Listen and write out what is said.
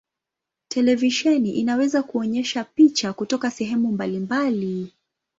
Televisheni inaweza kuonyesha picha kutoka sehemu mbalimbali.